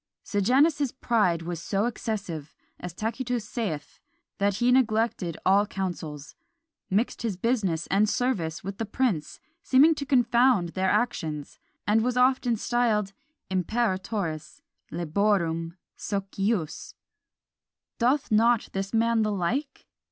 Sejanus's pride was so excessive, as Tacitus saith, that he neglected all councils, mixed his business and service with the prince, seeming to confound their actions, and was often styled Imperatoris laborum socius. Doth not this man the like?